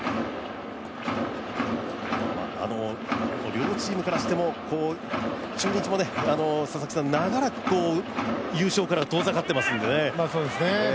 両チームからしても、中日も長らく優勝から遠ざかっていますもんね。